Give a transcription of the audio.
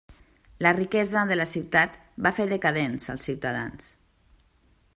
La riquesa de la ciutat va fer decadents als ciutadans.